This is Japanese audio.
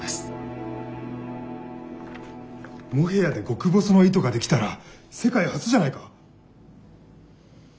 モヘアで極細の糸ができたら世界初じゃないか？